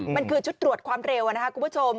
มันคือชุดตรวจความเร็วนะครับคุณผู้ชม